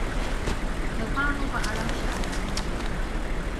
د پاڼو په اړه شاعرانه بیان